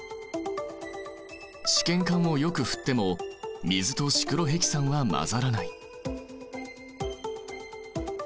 試験管をよく振っても水とシクロヘキサンは混ざらない。